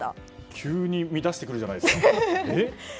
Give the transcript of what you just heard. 急に乱してくるじゃないですか。